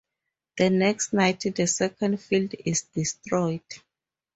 The next night the second field is destroyed.